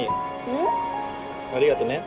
ん？ありがとね。